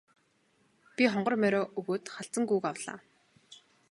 Би хонгор морио өгөөд халзан гүүг авлаа.